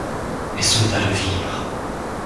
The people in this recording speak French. Les soldats le virent.